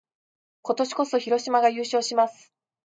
今年こそ、広島が優勝します！